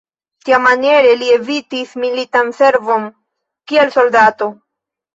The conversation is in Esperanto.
Tiamaniere li evitis militan servon kiel soldato.